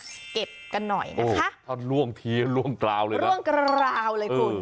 เก็บกันหน่อยนะคะถ้าล่วงทีล่วงกราวเลยล่วงกราวเลยคุณ